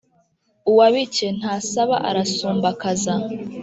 Uwabike ntasaba arasumbakaza.